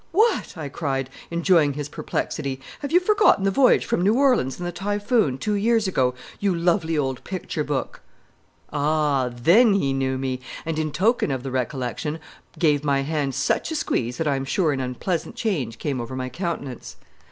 "What!" I cried, enjoying his perplexity. "Have you forgotten the voyage from New Orleans in the Typhoon, two years ago, you lovely old picture book?" Ah! then he knew me, and in token of the recollection gave my hand such a squeeze that I am sure an unpleasant change came over my countenance.